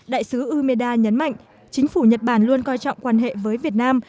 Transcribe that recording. đại sứ umeda nhấn mạnh chính phủ nhật bản luôn coi trọng quan hệ với việt nam